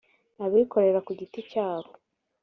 abikorera ku giti cyabo…